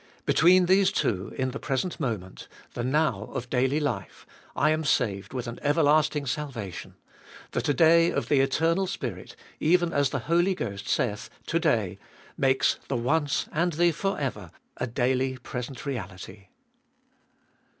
Between these two, in the present moment, the Now of daily life, I am saved with an everlasting salvation; the To day of the Eternal Spirit, even as the Holy Ghost saith, To day— mates the Once and the for ever a daily present reality.